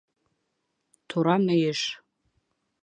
Тура мөйөш